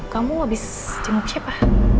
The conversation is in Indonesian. kamu abis jenguk siapa